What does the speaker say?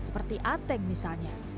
seperti ateng misalnya